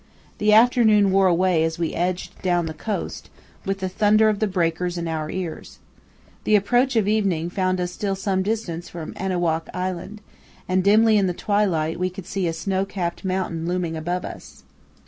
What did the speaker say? The afternoon wore away as we edged down the coast, with the thunder of the breakers in our ears. The approach of evening found us still some distance from Annewkow Island, and, dimly in the twilight, we could see a snow capped mountain looming above us.